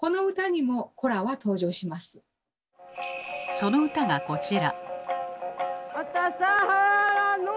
その歌がこちら。